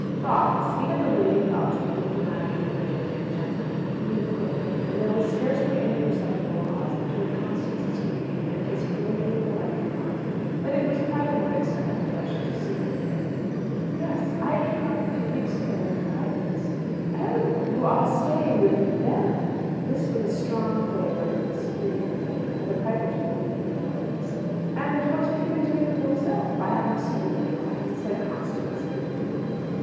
Thoughts even the weighty thoughts of a diplomatically minded young gentleman move quickly, and there was scarcely any perceptible pause between Constance's greeting and his gravely polite remark that it was quite an unexpected pleasure to see her there. "Yes; I came up a few weeks ago with the Pipers." "Oh! you are staying with them?" (This with a strong flavour of his superior manner; for the Pipers were really nobodies.) "And what have you been doing with yourself? I haven't seen you anywhere," said Constance coolly.